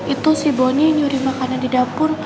itu si boni nyuri makanan di dapur